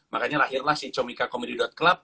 makanya lahirlah sih comikacomedy club